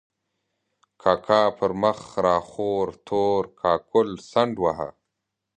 کاکا پر مخ را خور تور کاکل څنډ واهه.